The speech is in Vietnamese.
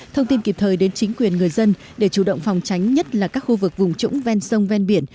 thông tin kịp thời đến chính quyền người dân để chủ động phòng tránh nhất là các khu vực vùng trũng ven sông ven biển